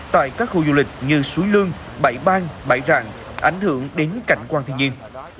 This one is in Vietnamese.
tại các khu du lịch như suối lương bảy bang bảy rạng ảnh hưởng đến cảnh quan thiên nhiên